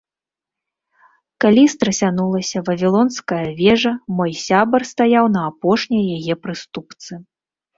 Калі страсянулася Вавілонская вежа, мой сябар стаяў на апошняй яе прыступцы.